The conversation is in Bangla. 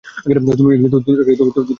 তুমিও তা পারো।